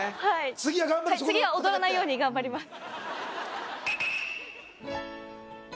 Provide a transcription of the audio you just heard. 次は頑張る次は踊らないように頑張ります